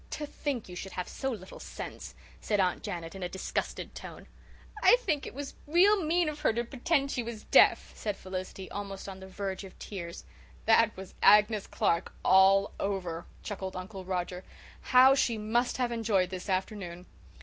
"To think you should have so little sense!" said Aunt Janet in a disgusted tone. "I think it was real mean of her to pretend she was deaf," said Felicity, almost on the verge of tears. "That was Agnes Clark all over," chuckled Uncle Roger. "How she must have enjoyed this afternoon!"